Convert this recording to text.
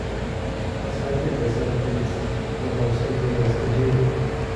A snappy dresser, Bates was also known as "The Duke".